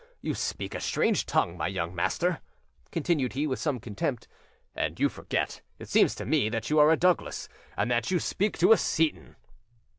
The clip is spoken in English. You speak a strange tongue, my young master," continued he, with some contempt; "and you forget, it seems to me, that you are a Douglas and that you speak to a Seyton."